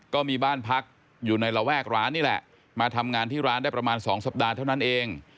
ก็มีบ้านพักอยู่ในระแวกร้านนี่แหละมาทำงานที่ร้านได้ประมาณ๒สัปดาห์เท่านั้นเอง